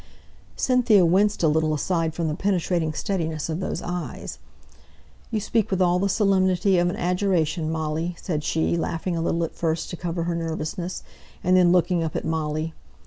Cynthia winced a little aside from the penetrating steadiness of those eyes. "You speak with all the solemnity of an adjuration, Molly!" said she, laughing a little at first to cover her nervousness, and then looking up at Molly.